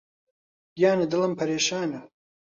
گیانە دڵم پەرێشانە